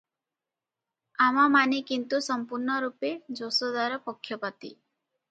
ଆମାମାନେ କିନ୍ତୁ ସମ୍ପୂର୍ଣ୍ଣରୂପେ ଯଶୋଦାର ପକ୍ଷପାତୀ ।